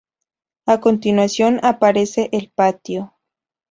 A continuación aparece el patio.